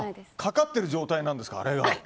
かかってる状態なんですかあれは。